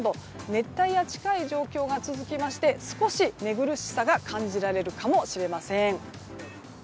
熱帯夜に近い状況が続きまして少し寝苦しさが感じられるかもしれません。